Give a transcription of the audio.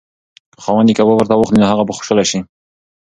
که خاوند یې کباب ورته واخلي نو هغه به خوشحاله شي.